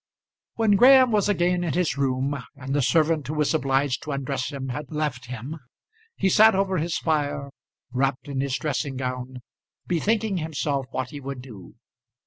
When Graham was again in his room, and the servant who was obliged to undress him had left him, he sat over his fire, wrapped in his dressing gown, bethinking himself what he would do.